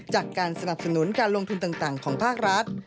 จากการสนับสนุนการลงทุนต่างของภาครัฐ